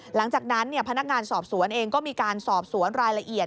หลังจากนั้นพนักงานสอบสวนเองก็มีการสอบสวนรายละเอียด